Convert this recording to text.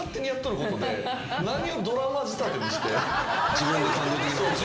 自分で感動的。